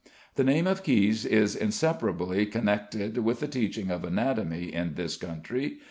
The name of Caius is inseparably connected with the teaching of anatomy in this country.